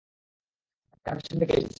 ধাক্কাটা পেছন থেকে এসেছে।